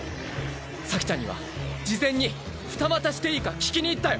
咲ちゃんには事前に二股していいか聞きに行ったよ。